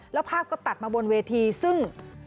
แล้วภาพก็ตัดมาบนเวทีซึ่ง